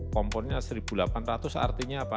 komponnya satu delapan ratus artinya apa